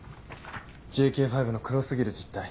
「ＪＫ５の黒すぎる実態」。